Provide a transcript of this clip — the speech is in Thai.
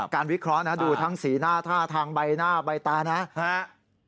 วิเคราะห์นะดูทั้งสีหน้าท่าทางใบหน้าใบตานะครับ